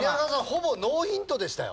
ほぼノーヒントでしたよ。